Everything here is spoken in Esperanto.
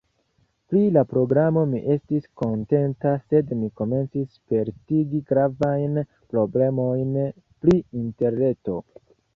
Pri la programaro mi estis kontenta, sed mi komencis sperti gravajn problemojn pri Interreto.